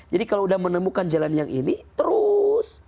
jadi kalau udah menemukan jalan yang ini terus